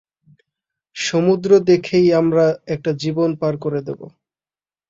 সমুদ্র দেখেই আমরা একটা জীবন পার করে দেব।